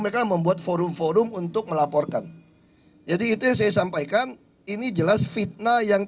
mereka membuat forum forum untuk melaporkan jadi itu yang saya sampaikan ini jelas fitnah yang